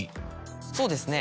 そうですね